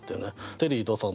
テリー伊藤さん